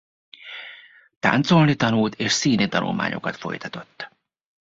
Táncolni tanult és színi tanulmányokat folytatott.